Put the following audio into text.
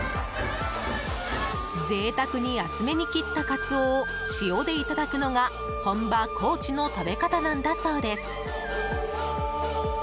贅沢に厚めに切ったカツオを塩でいただくのが本場高知の食べ方なんだそうです。